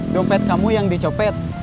dompet kamu yang dicopet